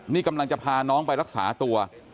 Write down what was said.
นี่กำลังจะพาน้องไปรักษาตัว